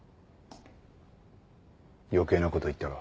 余計なこと言ったか？